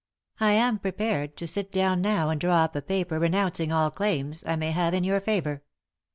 I am prepared to sit down now and draw up a paper renouncing all claims I may have in your favour."